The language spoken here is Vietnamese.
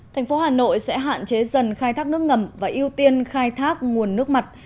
thành phố hà nội sẽ hạn chế dần khai thác nước ngầm và ưu tiên khai thác nguồn nước mặt